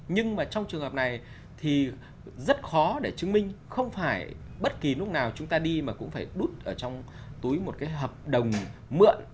nhưng mà trong trường hợp này thì rất khó để chứng minh không phải bất kỳ lúc nào chúng ta đi mà cũng phải đút ở trong túi một cái hợp đồng mượn